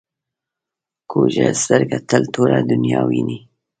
کوږه سترګه تل توره دنیا ویني